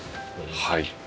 はい。